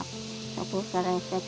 tidak tidak susah